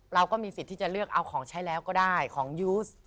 เราก็มีสิทธิ์ที่จะเลือกเอาของใช้แล้วก็ได้ของยูส